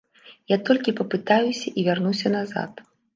Я толькі папытаюся і вярнуся назад.